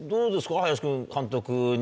林君監督に。